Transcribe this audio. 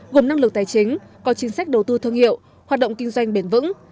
gồm năng lực tài chính có chính sách đầu tư thương hiệu hoạt động kinh doanh bền vững